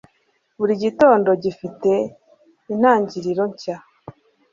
buri gitondo gifite intangiriro nshya